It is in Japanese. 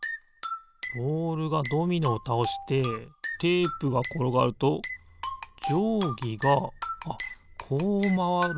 ボールがドミノをたおしてテープがころがるとじょうぎがあこうまわる？